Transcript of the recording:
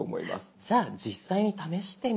じゃあ実際に試してみましょう。